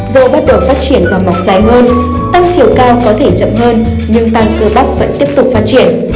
dù bắt đầu phát triển và mọc dài hơn tăng chiều cao có thể chậm hơn nhưng tăng cơ bắc vẫn tiếp tục phát triển